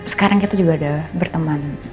sekarang kita juga ada berteman